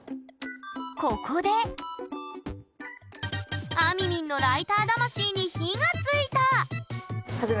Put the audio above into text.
ここであみみんのライター魂に火がついた！